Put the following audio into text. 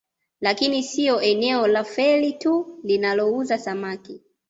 Lakini sio eneo la Feli tu linalouza samaki